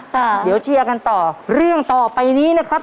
ค่ะเดี๋ยวเชียร์กันต่อเรื่องต่อไปนี้นะครับ